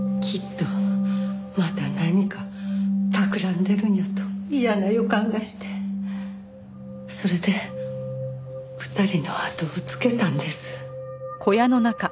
きっとまた何か企んでるんやと嫌な予感がしてそれで２人のあとをつけたんです。